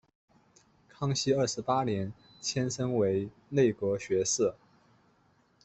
康熙二十八年升迁为内阁学士。